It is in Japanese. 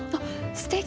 すてき！